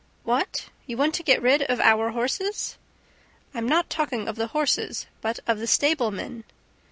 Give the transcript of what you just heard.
"What, you want to get rid of our horses?" "I'm not talking of the horses, but of the stablemen."